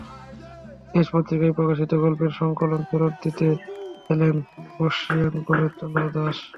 দেশ পত্রিকায় প্রকাশিত গল্পের সংকলন ফেরত দিতে এলেন বর্ষীয়ান গণেশ চন্দ্র দাশ।